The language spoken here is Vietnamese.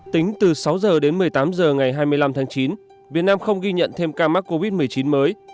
tính từ sáu h đến một mươi tám h ngày hai mươi năm tháng chín việt nam không ghi nhận thêm ca mắc covid một mươi chín mới